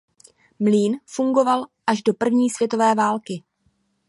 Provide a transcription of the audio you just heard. Mlýn fungoval až do první světové války.